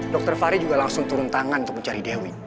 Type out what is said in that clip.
dokter fahri juga langsung turun tangan untuk mencari dewi